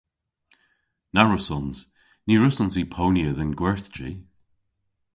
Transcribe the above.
Na wrussons. Ny wrussons i ponya dhe'n gwerthji.